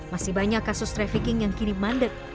masih banyak kasus trafficking yang kini mandek